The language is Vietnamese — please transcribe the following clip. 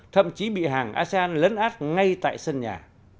thậm chí bị hàng asean lấn át ngay tại sân nhà